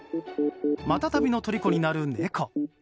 マタタビのとりこになる猫。